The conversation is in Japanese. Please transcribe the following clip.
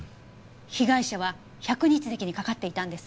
被害者は百日咳にかかっていたんです。